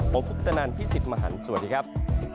ผมพุทธนานพิสิทธิ์มหันต์สวัสดีครับ